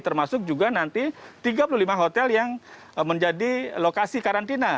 termasuk juga nanti tiga puluh lima hotel yang menjadi lokasi karantina